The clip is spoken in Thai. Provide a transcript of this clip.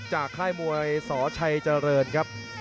ค่ายมวยสชัยเจริญครับ